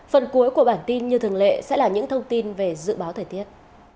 phần cuối của bản tin như thường lệ sẽ là những thông tin về dự báo thời tiết